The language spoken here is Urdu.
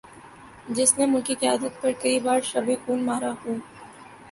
جس نے ملکی قیادت پر کئی بار شب خون مارا ہو